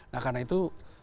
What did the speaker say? nah karena itu